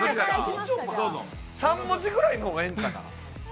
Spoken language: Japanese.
３文字ぐらいの方がええんかな